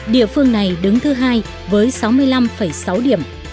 địa phương này đứng thứ hai với sáu mươi năm sáu điểm